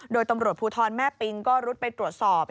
โดยตำรวจภูทรแม่ปิงก็รุดไปตรวจสอบ